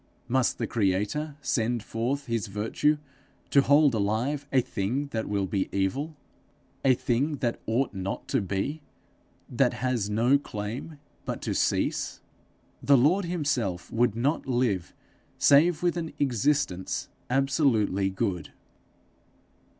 Must the creator send forth his virtue to hold alive a thing that will be evil a thing that ought not to be, that has no claim but to cease? The Lord himself would not live save with an existence absolutely good.